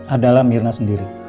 adalah mirna sendiri